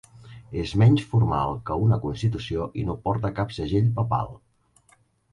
És menys formal que una constitució i no porta cap segell papal.